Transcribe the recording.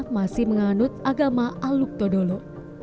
masih menganut agama aluk todolo